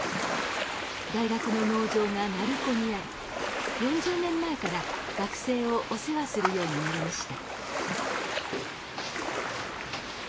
大学の農場が鳴子にあり４０年前から学生をお世話するようになりました。